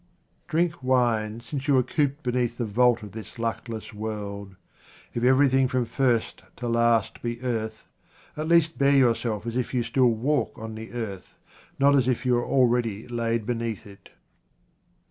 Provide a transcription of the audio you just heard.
Drink wine, since you are cooped beneath the vault of this luckless world. If everything from first to last be earth, at least bear yourself as if you still walk on the earth, not as if you were already laid beneath it.